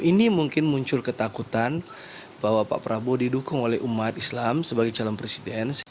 ini mungkin muncul ketakutan bahwa pak prabowo didukung oleh umat islam sebagai calon presiden